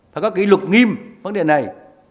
phải có kỷ lục nghiêm vấn đề này